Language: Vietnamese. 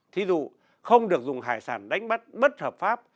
thí dụ không được dùng hải sản đánh bắt bất hợp pháp